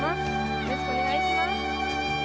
よろしくお願いします。